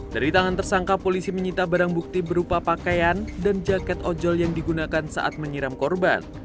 dari tangan tersangka polisi menyita barang bukti berupa pakaian dan jaket ojol yang digunakan saat menyiram korban